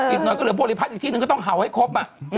อีกหน่อยก็เหลือบริพัฒน์อีกที่หนึ่งก็ต้องเห่าให้ครบ